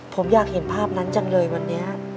ผมอยากเห็นภาพนั้นจังเลยวันนี้